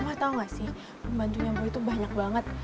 ma tau gak sih pembantunya boy tuh banyak banget